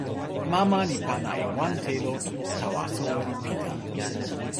mama li pana e wan telo tawa soweli Pita.